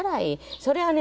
それはね